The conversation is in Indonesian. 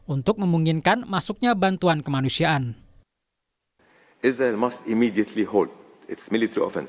untuk memungkinkan masuknya bantuan kemanusiaan